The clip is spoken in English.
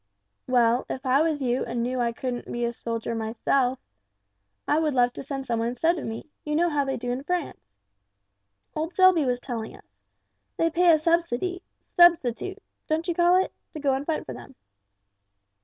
"Well, if I was you and knew I couldn't be a soldier myself, I would love to send some one instead of me you know how they do in France. Old Selby was telling us. They pay a subsidy substitute don't you call it? to go and fight for them."